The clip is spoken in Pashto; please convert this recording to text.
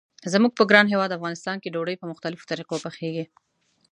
زموږ په ګران هیواد افغانستان کې ډوډۍ په مختلفو طریقو پخیږي.